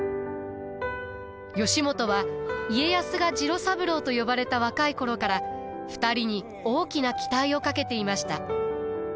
義元は家康が次郎三郎と呼ばれた若い頃から２人に大きな期待をかけていました。